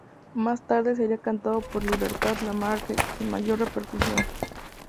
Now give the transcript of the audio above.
Más tarde sería cantado por Libertad Lamarque, sin mayor repercusión.